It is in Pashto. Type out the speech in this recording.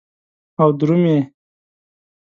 او درومې